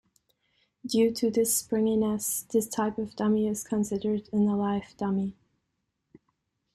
Due to this springiness, this type of dummy is considered an "alive" dummy.